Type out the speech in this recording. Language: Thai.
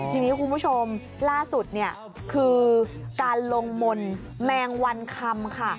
ทีนี้คุณผู้ชมล่าสุดเนี่ยคือการลงมนต์แมงวันคำค่ะ